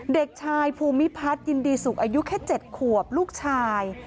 เด็กชายภูมิพัฒน์ยินดีสุขอายุแค่๗ขวบลูกชาย